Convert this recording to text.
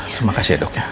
terima kasih ya dok ya